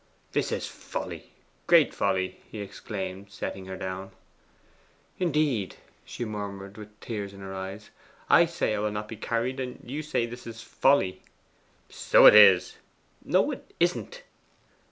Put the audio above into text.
'This is folly, great folly,' he exclaimed, setting her down. 'Indeed!' she murmured, with tears in her eyes. 'I say I will not be carried, and you say this is folly!' 'So it is.' 'No, it isn't!